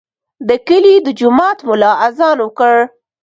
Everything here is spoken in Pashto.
د کلي د جومات ملا اذان وکړ.